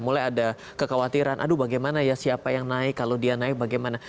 mulai ada kekhawatiran aduh bagaimana ya siapa yang naik kalau dia naik bagaimana